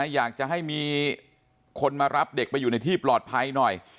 อยากจะให้มีคนมารับเด็กไปอยู่ในที่ปลอดภัยหน่อย